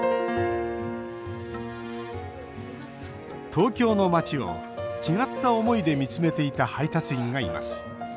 東京の街を、違った思いで見つめていた配達員がいます。